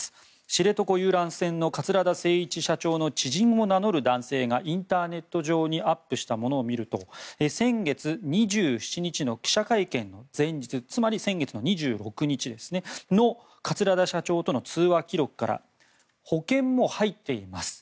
知床遊覧船の桂田精一社長の知人を名乗る男性がインターネット上にアップしたものを見ると先月２７日の記者会見の前日つまり先月の２６日の桂田社長との通話記録から保険も入っています